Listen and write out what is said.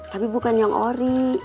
tapi bukan yang ori